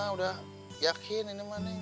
udah yakin ini mah neng